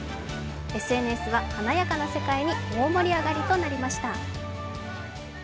ＳＮＳは華やかな世界に大盛り上がりとなりました。